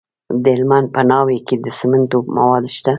د هلمند په ناوې کې د سمنټو مواد شته.